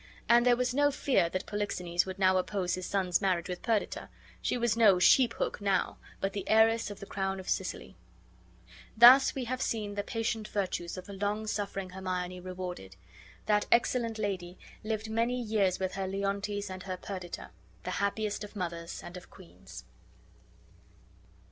And there was no fear that Polixenes would now oppose his son's marriage with Perdita. She was no "sheep hook" now, but the heiress of the crown of Sicily. Thus have we seen the patient virtues of the long suffering Hermione rewarded. That excellent lady lived many years with her Leontes and her Perdita, the happiest of mothers and of queens.